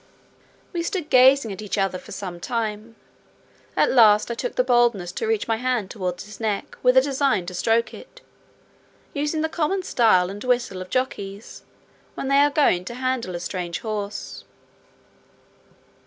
We stood gazing at each other for some time; at last I took the boldness to reach my hand towards his neck with a design to stroke it, using the common style and whistle of jockeys, when they are going to handle a strange horse.